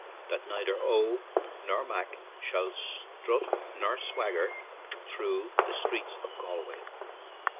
that neither 0' nor Mac shalle strutte ne swaggere thro' the streetes of Gall way."